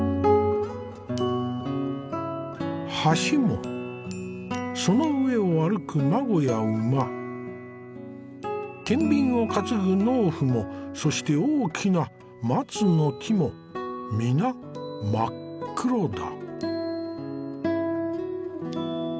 橋もその上を歩く馬子や馬天秤を担ぐ農夫もそして大きな松の木も皆真っ黒だ。